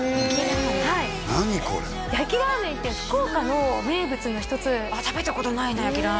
これ焼ラーメンって福岡の名物の一つ食べたことないな焼ラーメン